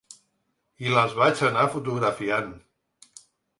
I les vaig anar fotografiant.